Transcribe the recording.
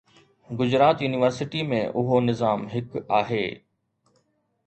Gujarat university ۾ اهو نظام هڪ آهي